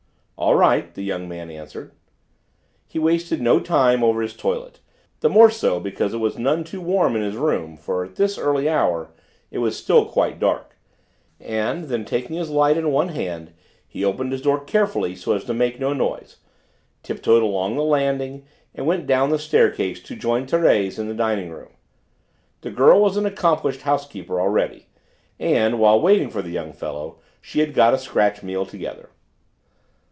"All right!" the young man answered. He wasted no time over his toilette, the more so because it was none too warm in his room, for at this early hour it was still quite dark; and then taking his light in one hand he opened his door carefully so as to make no noise, tip toed along the landing, and went down the staircase to join Thérèse in the dining room. The girl was an accomplished housekeeper already, and while waiting for the young fellow she had got a scratch meal together.